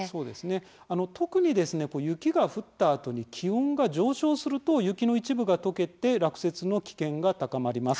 特に、雪が降ったあとに気温が上昇すると雪の一部がとけて落雪の危険が高まります。